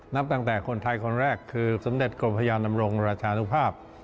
นับตั้งแต่คนไทยคนแรกคือสมเด็จกรมพญานรงราชานุภาพ